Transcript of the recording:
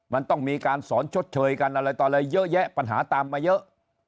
มันต้องมีการสอนชดเชยกันอะไรต่ออะไรเยอะแยะปัญหาตามมาเยอะ